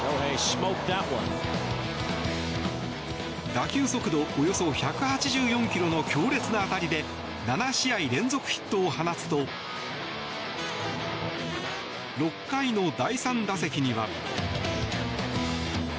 打球速度およそ１８４キロの強烈な当たりで７試合連続ヒットを放つと６回の第３打席には。